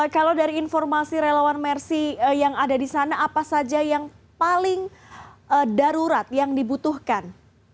kalau dari informasi relawan mersi yang ada di sana apa saja yang paling darurat yang dibutuhkan